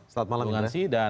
selamat malam indra